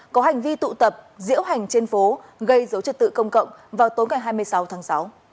có hành vi tụ tập diễu hành trên phố gây dấu trật tự công cộng vào tối ngày hai mươi sáu tháng sáu